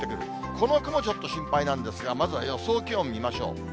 この雲、ちょっと心配なんですが、まずは予想気温見ましょう。